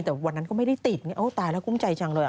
แต่วันนั้นก็ไม่ได้ติดโอ้ตายแล้วกุ้มใจจังเลย